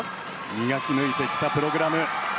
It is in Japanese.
磨き抜いてきたプログラム。